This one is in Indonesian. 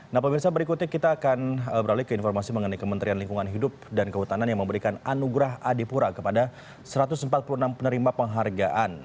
nah pemirsa berikutnya kita akan beralih ke informasi mengenai kementerian lingkungan hidup dan kehutanan yang memberikan anugerah adipura kepada satu ratus empat puluh enam penerima penghargaan